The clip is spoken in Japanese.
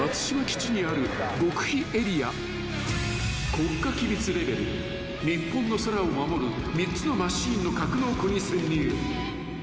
［国家機密レベル日本の空を守る３つのマシンの格納庫に潜入］